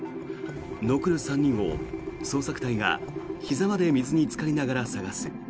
残る３人を捜索隊がひざまで水につかりながら探す。